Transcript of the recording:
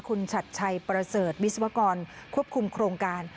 คุณชัดชัยประเสริฐวิศวกรควบคุมโครงการ